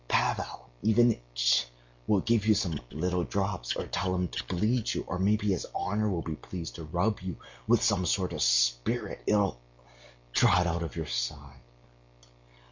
Pavel Ivanitch will give you some little drops, or tell them to bleed you; or maybe his honor will be pleased to rub you with some sort of spirit it'll... draw it out of your side.